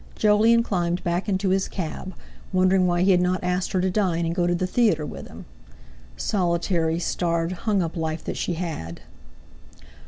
Jolyon climbed back into his cab, wondering why he had not asked her to dine and go to the theatre with him. Solitary, starved, hung up life that she had!